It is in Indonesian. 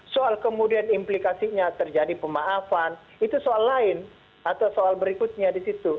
soal kemudian implikasinya terjadi pemaafan itu soal lain atau soal berikutnya di situ